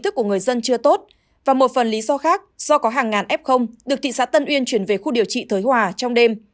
khác do có hàng ngàn f được thị xã tân uyên chuyển về khu điều trị thới hòa trong đêm